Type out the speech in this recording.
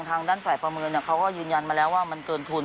ทางด้านฝ่ายประเมินเขาก็ยืนยันมาแล้วว่ามันเกินทุน